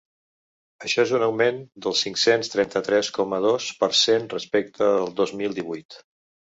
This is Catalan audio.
Això és un augment del cinc-cents trenta-tres coma dos per cent respecte del dos mil divuit.